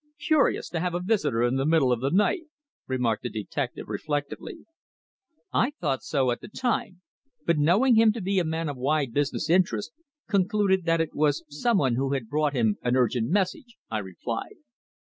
"Curious to have a visitor in the middle of the night," remarked the detective reflectively. "I thought so at the time, but, knowing him to be a man of wide business interests, concluded that it was someone who had brought him an urgent message," I replied.